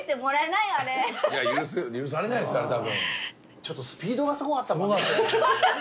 ちょっとスピードがすごかったもんね。